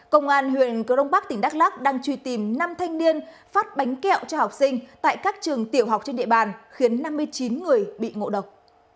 công an huyện crong bắc tỉnh đắk lắc đang truy tìm năm thanh niên phát bánh kẹo cho học sinh tại các trường tiểu học trên địa bàn khiến năm mươi chín người bị ngộ độc